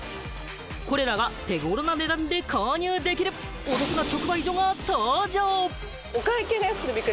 これらが手頃な値段で購入できるお得な直売所が登場！